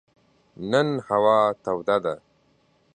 نن هوا توده ده.